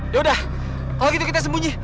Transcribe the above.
yaudah kalau gitu kita sembunyi